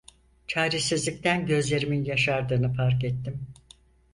Çaresizlikten gözlerimin yaşardığım fark ettim.